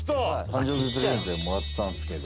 誕生日プレゼントでもらったんすけど。